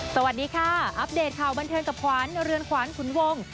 สวัสดีค่ะอัปเดตข่าวบันเทิงกับขวัญเรือนขวานขุนวง